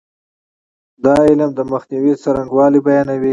دا علم د مخنیوي څرنګوالی بیانوي.